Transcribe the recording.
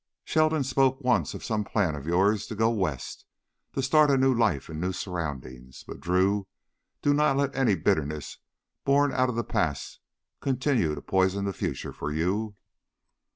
Sheldon spoke once of some plan of yours to go west, to start a new life in new surroundings. But, Drew, do not let any bitterness born out of the past continue to poison the future for you.